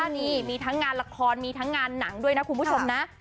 นี่มีทั้งงานละครมีทั้งงานหนังด้วยนะคุณผู้ชมนะ